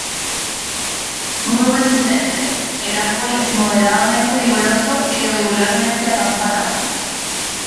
Muy resistente, el árbol es moderadamente vigoroso e irregularmente acampanado.